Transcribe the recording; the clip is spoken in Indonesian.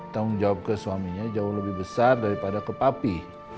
tanggung jawab ke suaminya jauh lebih besar daripada kepapi